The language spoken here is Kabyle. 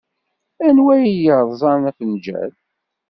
Anwa i yerẓan afenǧal?